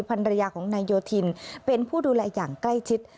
ภรรยาของนายโยธินเป็นผู้ดูแลอย่างใกล้ชิด